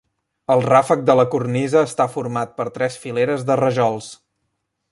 El ràfec de la cornisa està format per tres fileres de rajols.